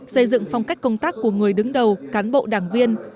xây dựng phong cách công tác của người đứng đầu cán bộ đảng viên